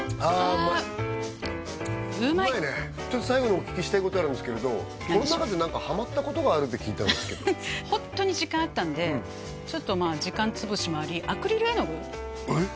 うまいあうまい最後にお聞きしたいことあるんですけれどコロナ禍で何かハマったことがあるって聞いたんですけどホントに時間あったんでちょっと時間つぶしもありアクリル絵の具え